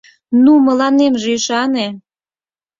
— Ну, мыламже ӱшане!